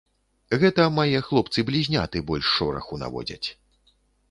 Гэта мае хлопцы-блізняты больш шораху наводзяць.